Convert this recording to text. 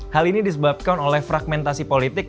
hal ini disebabkan oleh fragmentasi politik